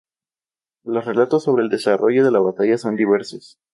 Los relatos sobre el desarrollo de la batalla son diversos.